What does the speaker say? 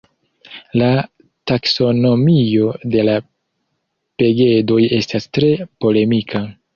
La taksonomio de la pegedoj estas tre polemika.